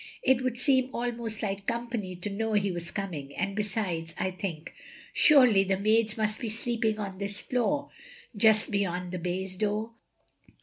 It would seem almost like company to know he was coming, and besides — I think — surely the maids must be sleeping on this floor, just beyond the baize door?